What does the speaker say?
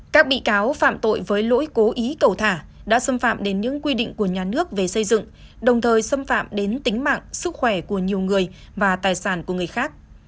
các bị cáo phạm tội với lỗi cố ý cầu thả đã xâm phạm đến những quy định của nhà nước về xây dựng đồng thời xâm phạm đến tính mạng sức khỏe của nhiều người và tài sản của người khác